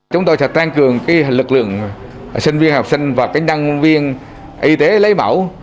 chúng tôi sẽ tăng cường lực lượng sinh viên học sinh và nhân viên y tế lấy mẫu